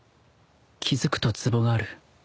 気付くと壺がある